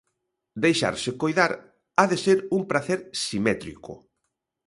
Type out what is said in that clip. Deixarse coidar ha de ser un pracer simétrico.